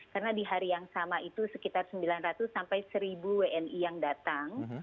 karena di hari yang sama itu sekitar sembilan ratus sampai seribu wni yang datang